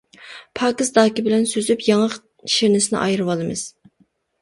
پاكىز داكا بىلەن سۈزۈپ، ياڭاق شىرنىسىنى ئايرىۋالىمىز.